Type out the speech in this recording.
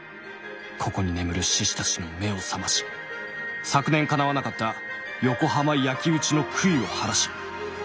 ここに眠る志士たちの目を覚まし昨年かなわなかった横浜焼き討ちの悔いをはらし